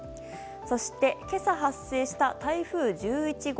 そして今朝、発生した台風１１号。